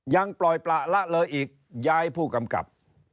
ยังปล่อยประละเลยอีกย้ายผู้กำกับ